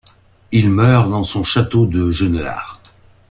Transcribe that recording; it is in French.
Il meurt dans son château de Genelard.